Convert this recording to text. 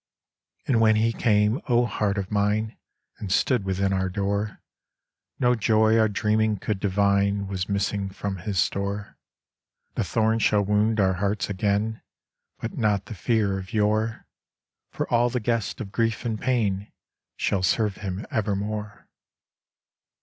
And when he came, O Heart of mine! And stood within our door, No joy our dreaming could divine Was missing from his store. The thorns shall wound our hearts again, But not the fear of yore, for all the guests of grief and pain Shall serve him evermore.